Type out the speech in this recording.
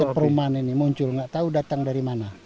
dekat perumahan ini muncul tidak tahu datang dari mana